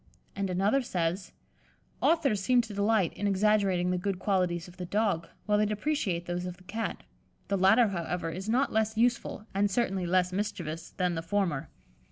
And another says: "Authors seem to delight in exaggerating the good qualities of the Dog, while they depreciate those of the Cat; the latter, however, is not less useful, and certainly less mischievous, than the former."